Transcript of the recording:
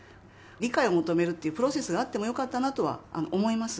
理解を求めるっていうプロセスがあったほうがよかったなとは思います。